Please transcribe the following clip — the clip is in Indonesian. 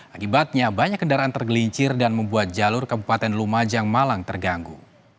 akibatnya banyak kendaraan tergelincir dan membuat jalur kabupaten lumajang malang terganggu